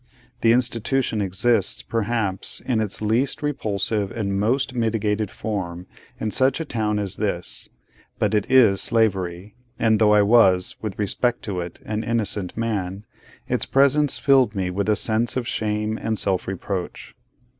The institution exists, perhaps, in its least repulsive and most mitigated form in such a town as this; but it is slavery; and though I was, with respect to it, an innocent man, its presence filled me with a sense of shame and self reproach.